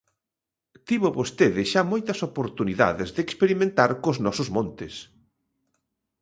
Tivo vostede xa moitas oportunidades de experimentar cos nosos montes.